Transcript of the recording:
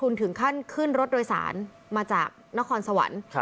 มันขึ้นรถโดยศาลมาจากนครสวรรค์